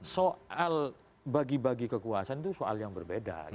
soal bagi bagi kekuasaan itu soal yang berbeda